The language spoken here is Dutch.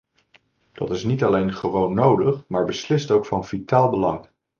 Dat is niet alleen gewoon nodig, maar beslist ook van vitaal belang.